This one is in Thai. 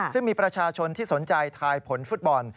ซึ่งมีประชาชนที่สนใจทายผลฟุตบอล